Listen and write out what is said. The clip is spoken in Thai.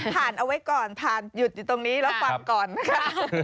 อ่านเอาไว้ก่อนผ่านหยุดอยู่ตรงนี้แล้วฟังก่อนนะคะ